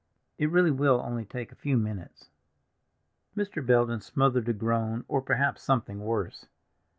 "It really will only take you a few minutes." Mr. Belden smothered a groan, or perhaps something worse.